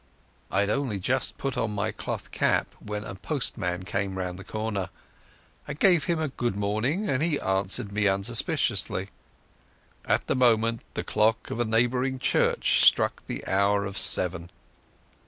I had only just put on my cloth cap when a postman came round the corner. I gave him good morning and he answered me unsuspiciously. At the moment the clock of a neighbouring church struck the hour of seven.